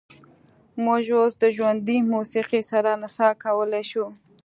موږ اوس د ژوندۍ موسیقۍ سره نڅا کولی شو